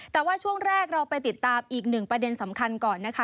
แต่ว่าช่วงแรกเราไปติดตามอีกหนึ่งประเด็นสำคัญก่อนนะคะ